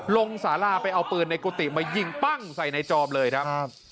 สาราไปเอาปืนในกุฏิมายิงปั้งใส่ในจอมเลยครับ